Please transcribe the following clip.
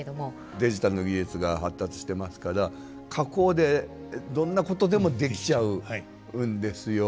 デジタルの技術が発達してますから加工でどんなことでもできちゃうんですよ。